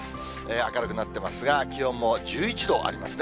明るくなってますが、気温も１１度ありますね。